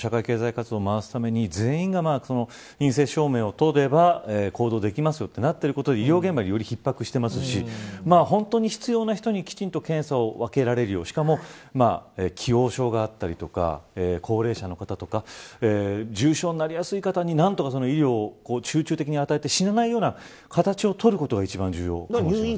今は社会活動を回すために全員が陰性証明を取れば行動できますとなっていることで医療現場が逼迫していますし本当に必要な人に検査を受けられるようにしかも、既往症があったりとか高齢者の方とか重症になりやすい方になんとか医療を集中的に与えて死なないような形を取ることが一番重要だと思います。